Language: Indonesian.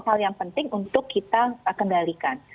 hal yang penting untuk kita kendalikan